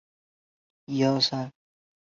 是汪精卫政权中在南京受审的第一个人。